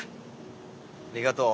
ありがとう。